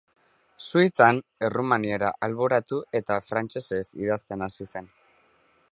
Suitzan, errumaniera alboratu eta frantsesez idazten hasi zen.